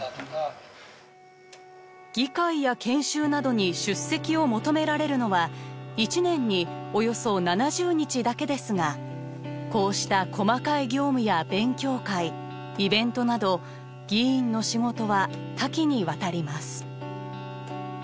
議会や研修などに出席を求められるのは一年におよそ７０日だけですがこうした細かい業務や勉強会イベントなど議員の仕事は多岐にわたります。